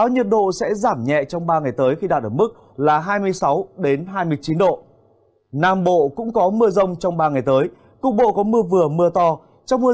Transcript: nhiệt độ cao nhất từ hai mươi chín ba mươi hai độ có nơi cao hơn